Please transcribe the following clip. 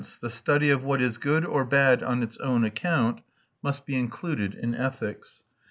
the study of what is good or bad on its own account must be included in ethics."